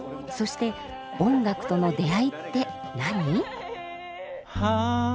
そして音楽との出会いって何？